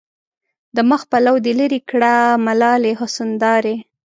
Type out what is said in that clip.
د مخ پلو دې لېري کړه ملالې حسن دارې